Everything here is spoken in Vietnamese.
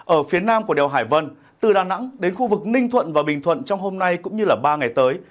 ở phía nam của đèo hải vân từ đà nẵng đến khu vực ninh thuận và bình thuận trong hôm nay cũng như ba ngày tới